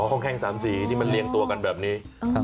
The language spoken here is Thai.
อ๋อคองแครงสามสีที่มันเรียงตัวกันแบบนี้